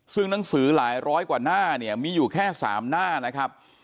ซึ่งหนังสือหลายร้อยกว่าหน้าเนี่ยมีอยู่แค่๓หน้านะครับ